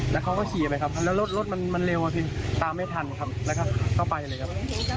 แล้วเขาก็ขี่ไปครับแล้วรถมันเร็วอะพี่ตามไม่ทันครับแล้วก็ไปเลยครับ